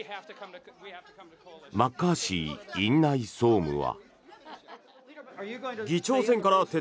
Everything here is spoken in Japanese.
マッカーシー院内総務は。